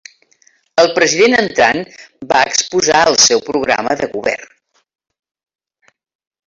El president entrant va exposar el seu programa de govern.